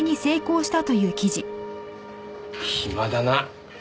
暇だな。